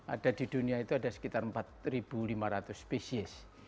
ada di dunia itu ada sekitar empat lima ratus spesies